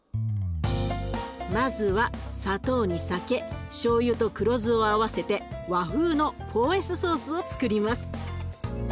まずは砂糖に酒しょうゆと黒酢を合わせて和風の４Ｓソースをつくります。